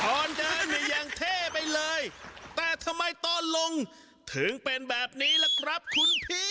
ตอนเดินเนี่ยยังเท่ไปเลยแต่ทำไมตอนลงถึงเป็นแบบนี้ล่ะครับคุณพี่